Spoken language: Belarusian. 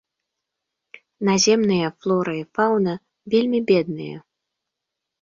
Наземныя флора і фаўна вельмі бедныя.